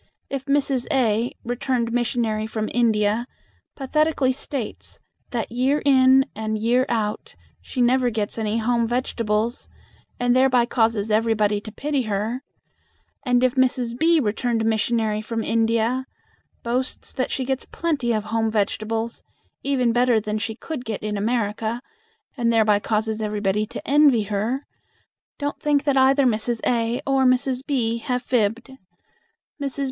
If Mrs. A, returned missionary from India, pathetically states that year in and year out she never gets any home vegetables, and thereby causes everybody to pity her, and if Mrs. B, returned missionary from India, boasts that she gets plenty of home vegetables, even better than she could get in America, and thereby causes everybody to envy her, don't think that either Mrs. A or Mrs. B have fibbed. Mrs.